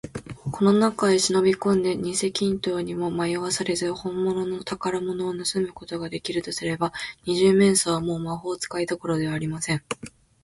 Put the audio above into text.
この中へしのびこんで、にせ黄金塔にもまよわされず、ほんものの宝物をぬすむことができるとすれば、二十面相は、もう魔法使いどころではありません。